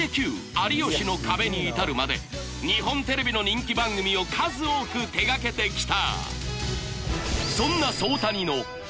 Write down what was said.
『有吉の壁』に至るまで日本テレビの人気番組を数多く手掛けて来た